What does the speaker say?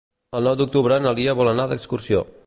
El nou d'octubre na Lia vol anar d'excursió.